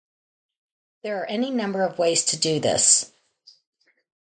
There are any number of ways to do this.